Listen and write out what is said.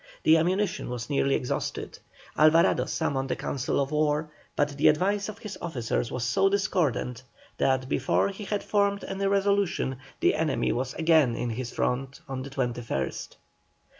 The ammunition was nearly exhausted. Alvarado summoned a council of war, but the advice of his officers was so discordant, that before he had formed any resolution the enemy was again in his front on the 21st.